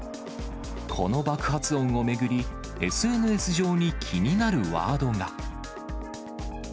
この爆発音を巡り、ＳＮＳ上に気になるワードが。